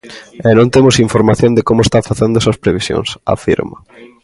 "E non temos información de como está facendo esas previsións", afirma.